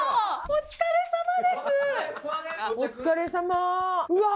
お疲れさまうわ。